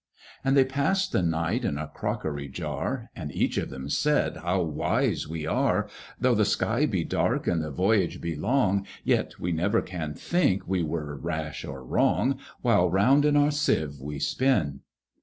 And they passed the night in a crockery jar, And each of them said, "How wise we are! Though the sky be dark, and the voyage be long, Yet we never can think we were rash or wrong, While round in our Sieve we spin!"